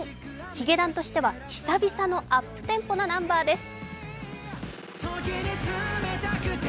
ヒゲダンとしては久々のアップテンポのナンバーです。